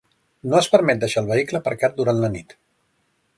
No és permet deixar el vehicle aparcat durant la nit.